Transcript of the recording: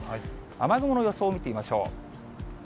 雨雲の予想を見てみましょう。